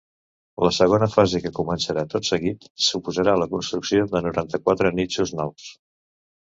La segona fase que començarà tot seguit, suposarà la construcció de noranta-quatre nínxols nous.